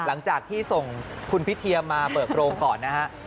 หลังจากที่ส่งคุณพิเทียมมาเปิดโรงก่อนนะฮะ